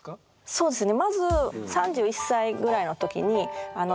そうですね。